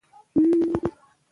غازیان د الله په مرسته جګړه کوي.